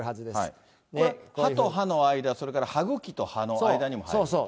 これは歯と歯の間、それから歯ぐきと歯の間にも入ってる？